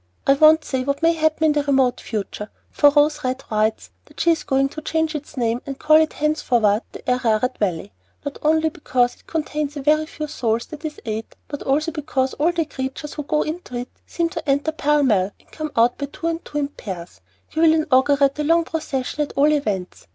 I won't say what may happen in the remote future, for Rose Red writes that she is going to change its name and call it henceforward 'The Ararat Valley,' not only because it contains 'a few souls, that is eight,' but also because all the creatures who go into it seem to enter pell mell and come out two by two in pairs. You will inaugurate the long procession at all events!